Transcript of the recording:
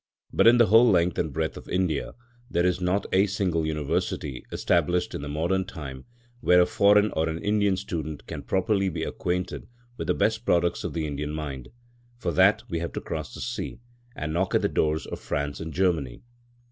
But in the whole length and breadth of India there is not a single University established in the modern time where a foreign or an Indian student can properly be acquainted with the best products of the Indian mind. For that we have to cross the sea, and knock at the doors of France and Germany.